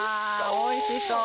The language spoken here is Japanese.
おいしそう。